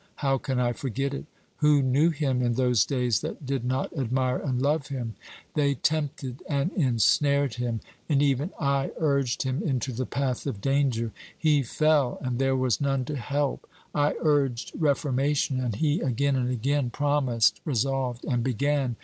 How can I forget it? Who knew him in those days that did not admire and love him? They tempted and insnared him; and even I urged him into the path of danger. He fell, and there was none to help. I urged reformation, and he again and again promised, resolved, and began.